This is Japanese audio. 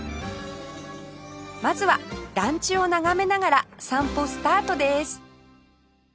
まずは団地を眺めながら散歩スタートです